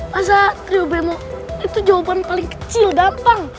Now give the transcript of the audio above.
masa trio bemo itu jawaban paling kecil gampang